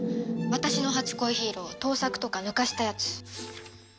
私の『初恋ヒーロー』を盗作とかぬかしたやつ。